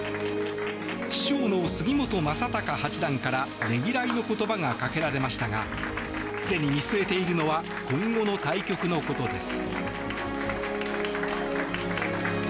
師匠の杉本昌隆八段からねぎらいの言葉がかけられましたがすでに見据えているのは今後の対局のことです。